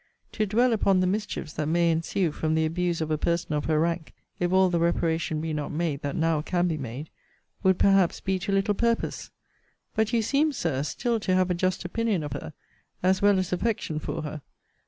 To dwell upon the mischiefs that may ensue from the abuse of a person of her rank, if all the reparation be not made that now can be made, would perhaps be to little purpose. But you seem, Sir, still to have a just opinion of her, as well as affection for her.